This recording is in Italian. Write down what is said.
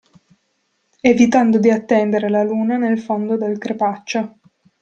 Evitando di attendere la Luna nel fondo del crepaccio.